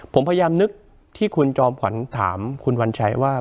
ผมพยายามนึกที่คุณจอมขวัญถามคุณวัญชัยว่า